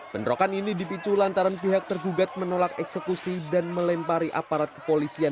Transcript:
bentrokan ini dipicu lantaran pihak tergugat menolak eksekusi dan melempari aparat kepolisian